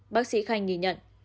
bác sĩ khanh nhìn nhận